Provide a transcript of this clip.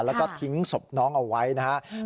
แล้วก็ทิ้งศพน้องเอาไว้นะครับ